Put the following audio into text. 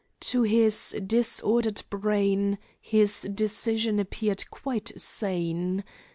To his disordered brain his decision appeared quite sane.